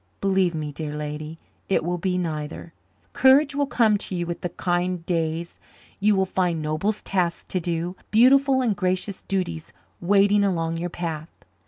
Believe me, dear lady, it will be neither. Courage will come to you with the kind days. You will find noble tasks to do, beautiful and gracious duties waiting along your path.